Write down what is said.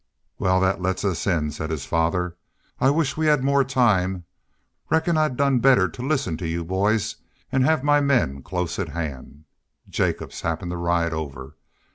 "Wal, that lets us in," said his father. "I wish we had more time. Reckon I'd done better to listen to you boys an' have my men close at hand. Jacobs happened to ride over.